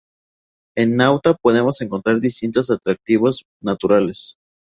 En Nauta podemos encontrar distintos atractivos naturales.